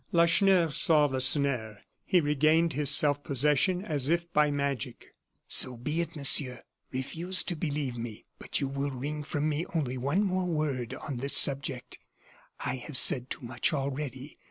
Lacheneur saw the snare; he regained his self possession as if by magic. "So be it, Monsieur, refuse to believe me. But you will wring from me only one more word on this subject. I have said too much already.